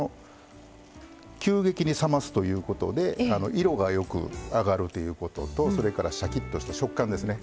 急激に冷ますということで色がよくあがるということとそれからシャキッとした食感ですね。